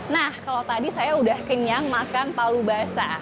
nah kalau tadi saya udah kenyang makan palu basah